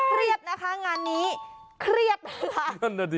เครียดนะคะงานนี้เครียดนะคะ